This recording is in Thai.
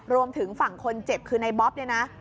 รวมถึงฝั่งคนเจ็บคือในบ๊อบเนี่ยนะ